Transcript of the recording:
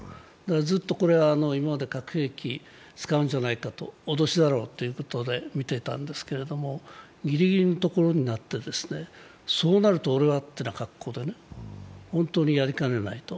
ずっと今まで核兵器を使うんじゃないか、脅しだろうとみていたんですけれども、ぎりぎりのところになって、そうなると俺はという格好で、本当にやりかねないと。